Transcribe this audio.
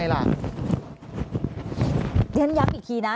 เพราะฉะนั้นย้ำอีกทีนะ